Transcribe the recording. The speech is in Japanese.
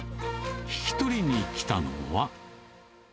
引き取りに来たのは。